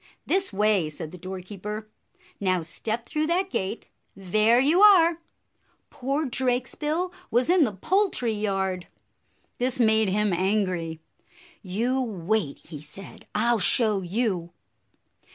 "This way!" said the doorkeeper. "Now step through that gate. There you are! " Poor Drakesbill was in the poultry yard. This made him angry. "You wait," he said; " I 'll show you